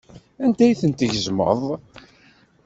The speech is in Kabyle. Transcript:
Anda ay ten-tgezmeḍ?